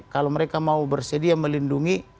kalau mereka mau bersedia melindungi